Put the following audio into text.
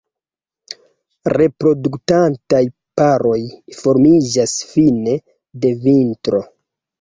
Reproduktantaj paroj formiĝas fine de vintro.